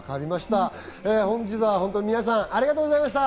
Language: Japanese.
本日は皆さん、本当にありがとうございました。